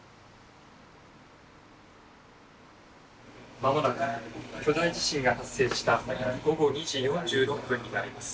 「間もなく巨大地震が発生した午後２時４６分になります。